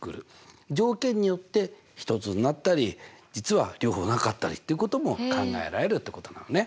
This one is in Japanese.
条件によって１つになったり実は両方なかったりっていうことも考えられるってことなのね。